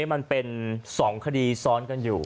มันเป็น๒คดีซ้อนกันอยู่